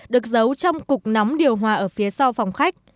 được giấu trong cục nóng điều hòa ở phía sau phòng khách